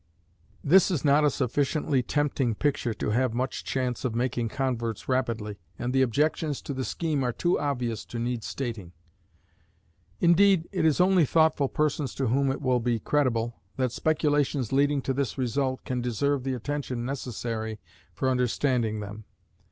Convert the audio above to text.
This is not a sufficiently tempting picture to have much chance of making converts rapidly, and the objections to the scheme are too obvious to need stating. Indeed, it is only thoughtful persons to whom it will be credible, that speculations leading to this result can deserve the attention necessary for understanding them.